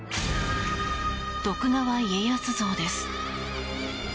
徳川家康像です。